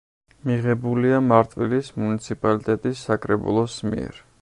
მიღებულია მარტვილის მუნიციპალიტეტის საკრებულოს მიერ.